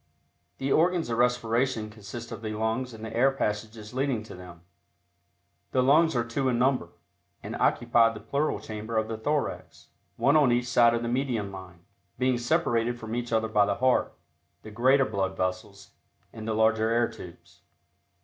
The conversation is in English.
The Organs of Respiration consist of the lungs and the air passages leading to them. The lungs are two in number, and occupy the pleural chamber of the thorax, one en each side of the median line, being separated from each other by the heart, the greater blood vessels and the larger air tubes.